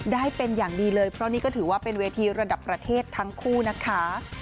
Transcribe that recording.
ได้เป็นอย่างดีเลยเพราะนี่ก็ถือว่าเป็นเวทีระดับประเทศทั้งคู่นะคะ